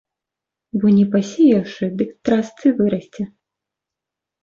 Бо не пасеяўшы, дык трасцы вырасце.